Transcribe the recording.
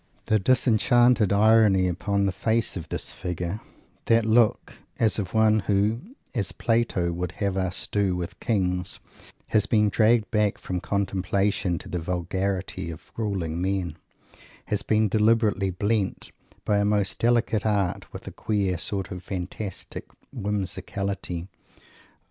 The disenchanted irony upon the face of this figure; that look as of one who as Plato would have us do with kings has been dragged back from Contemplation to the vulgarity of ruling men; has been deliberately blent by a most delicate art with a queer sort of fantastic whimsicality.